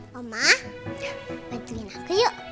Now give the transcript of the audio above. mama bantuin aku yuk